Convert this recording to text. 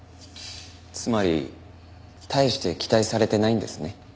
つまり大して期待されてないんですね。